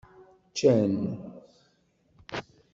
Ččan.